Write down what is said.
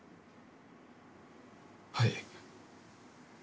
はい。